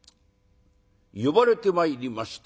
呼ばれてまいりました